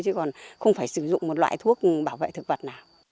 chứ còn không phải sử dụng một loại thuốc bảo vệ thực vật nào